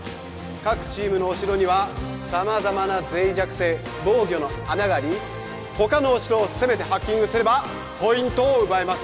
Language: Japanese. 各チームのお城には様々な脆弱性防御の穴があり他のお城を攻めてハッキングすればポイントを奪えます